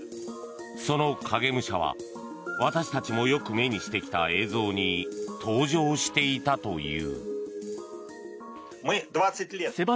その影武者は私たちもよく目にしてきた映像に登場していたという。